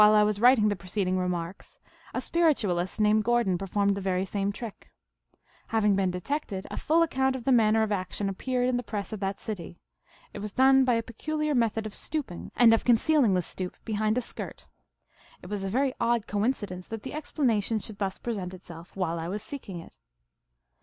I was writing the preceding remarks, a spiritualist named Gordon performed the very same trick. Hav ing been detected, a full account of the manner of action appeared in the Press of that city. It was done by a peculiar method of stooping, and of con cealing the stoop behind a skirt. It was a very odd coincidence that the explanation should thus present itself while I was seeking it.